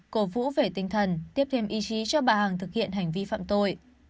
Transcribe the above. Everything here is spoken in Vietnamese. cổ vũ về tinh thần tiếp thêm ý chí cho bà hằng thực hiện hành vi phạm tội